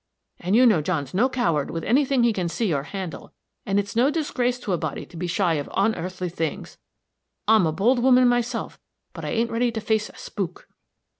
And you know John's no coward with any thing he can see or handle, and it's no disgrace to a body to be shy of onearthly things. I'm a bold woman myself, but I ain't ready to face a spook."